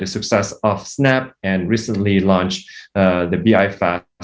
sukses snap dan baru baru ini meluncurkan bi fast